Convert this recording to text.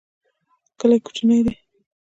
کلی کوچنی دی.